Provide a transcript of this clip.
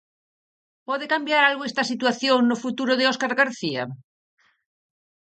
Pode cambiar algo esta situación no futuro de Óscar García?